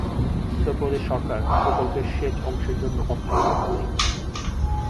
উত্তরপ্রদেশ সরকার প্রকল্পের সেচ অংশের জন্য অর্থায়ন করে।